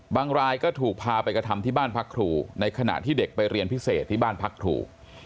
รายก็ถูกพาไปกระทำที่บ้านพักครูในขณะที่เด็กไปเรียนพิเศษที่บ้านพักครู